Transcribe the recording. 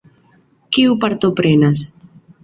Kiu partoprenas?